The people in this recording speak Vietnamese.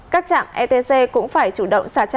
các trạm etc cũng phải chủ động xả trạm